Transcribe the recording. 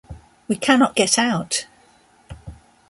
We cannot get out.